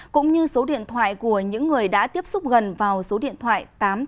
cũng như số điện thoại của những người đã tiếp xúc gần vào số điện thoại tám nghìn tám trăm tám mươi chín